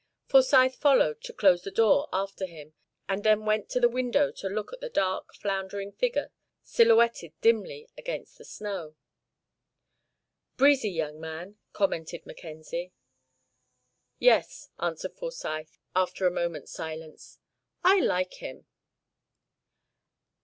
Forsyth followed, to close the door after him, and then went to the window to look at the dark, floundering figure silhouetted dimly against the snow. "Breezy young man," commented Mackenzie. "Yes," answered Forsyth, after a moment's silence, "I like him."